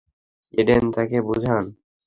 Eden, তাকে বুঝান।